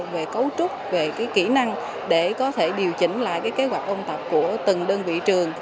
về cấu trúc về kỹ năng để có thể điều chỉnh lại kế hoạch ôn tập của từng đơn vị trường